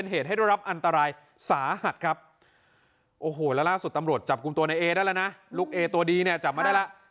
โอ้โหและล่าสุดตำรวจจับกุมตัวในเอ๊ได้แล้วนะลูกเอ๊ตัวดีจับมาได้แล้ว